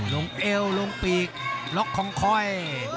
ลงเอวลงปีกรอคอยคอย